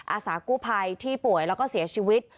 อาสากู้ภัยที่ป่วยแล้วก็เสียชีวิต